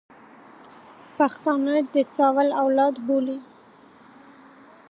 پښتانه د ساول اولاد بولي.